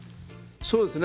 そうですね。